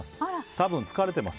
多分、疲れてます。